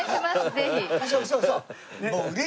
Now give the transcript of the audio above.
ぜひ。